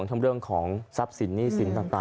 ทั้งเรื่องของทรัพย์สินหนี้สินต่าง